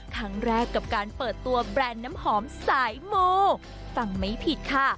ครั้งแรกกับการเปิดตัวแบรนด์น้ำหอมสายมูฟังไม่ผิดค่ะ